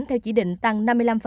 theo chỉ định tăng năm mươi năm